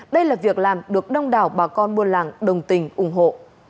đây là việc làm được đông đảo bà con buôn làng đồng tình ủng hộ